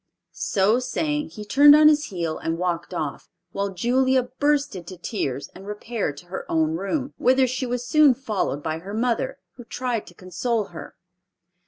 So saying, he turned on his heel and walked off, while Julia burst into tears and repaired to her own room, whither she was soon followed by her mother, who tried to console her.